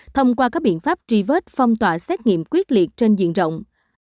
thông qua các biện pháp truy vết phong tỏa xét nghiệm quyết liệt trên diện rộng